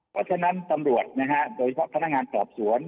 เพราะฉะนั้นตำรวจนะฮะโดยเฉพาะพนักงานสอบสวน